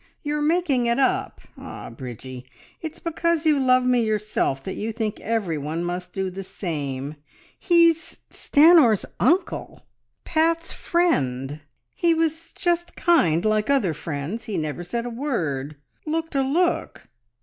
You are making it up. Ah, Bridgie, it's because you love me yourself that you think every one must do the same! He's Stanor's uncle ... Pat's friend he was just kind like other friends. ... He never said a word ... looked a look."